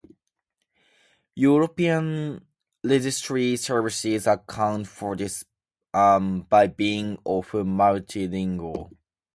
European registry services account for this by being often multi-lingual.